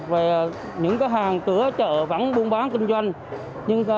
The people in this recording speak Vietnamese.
về những cái hàng cửa chợ vẫn buôn bán kinh doanh